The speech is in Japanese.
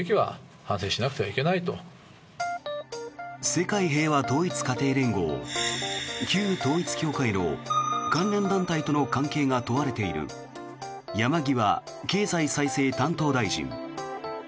世界平和統一家庭連合旧統一教会の関連団体との関係が問われている山際経済再生担当大臣。